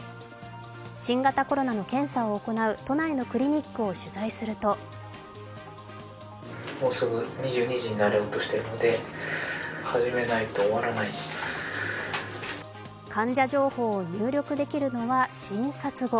新型コロナの検査を行う都内のクリニックを取材すると患者情報を入力できるのは診察後。